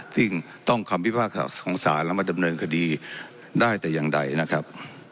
ซึ่งต้องคำพิพากษาของศาลแล้วมาดำเนินคดีได้แต่อย่างใดนะครับ